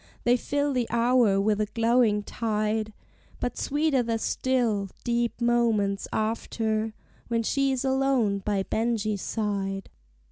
They fill the hour with a glowing tide; But sweeter the still, deep moments after, When she is alone by Benjie's side.